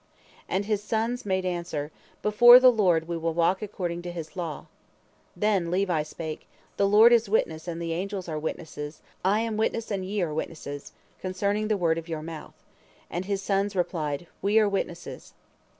And his sons made answer, "Before the Lord we will walk according to His law." Then Levi spake, "The Lord is witness and the angels are witnesses, I am witness and ye are witnesses, concerning the word of your mouth." And his sons replied, "We are witnesses."